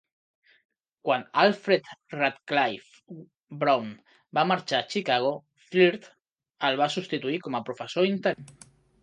Quan Alfred Radcliffe-Brown va marxar a Chicago, Firth el va substituir com a professor interí.